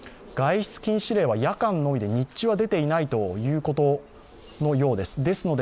外出禁止令は夜間のみで、日中は出ていないということのようです。